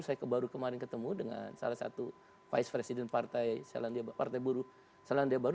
saya baru kemarin ketemu dengan salah satu vice president partai buruh selandia baru